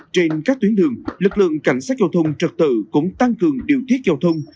trên các tuyến đường lực lượng cảnh sát giao thông trật tự cũng tăng cường điều tiết giao thông